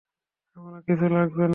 আমার কিছু লাগবে না।